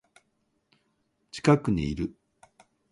近くにいる